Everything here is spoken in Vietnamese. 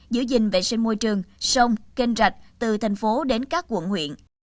giữ gìn vệ sinh môi trường sông kênh rạch từ thành phố đến các quận huyện